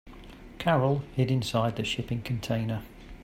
Carol hid inside the shipping container.